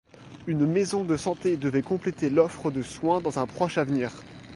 Une maison de santé devait compléter l'offre de soins dans un proche avenir.